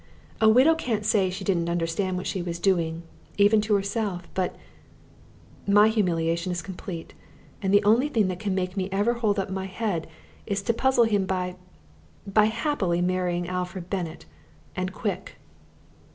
A widow can't say she didn't understand what she was doing, even to herself, but My humiliation is complete, and the only thing that can make me ever hold up my head is to puzzle him by by happily marrying Alfred Bennett and quick.